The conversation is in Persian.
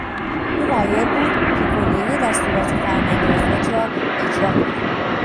او مایل بود که کلیهی دستورات فرماندهی خود را اجرا کند.